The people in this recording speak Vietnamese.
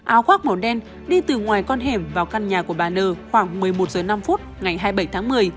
áo khoác màu đen đi từ ngoài con hẻm vào căn nhà của bà nờ khoảng một mươi một h năm ngày hai mươi bảy tháng một mươi